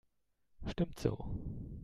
Stimmt so.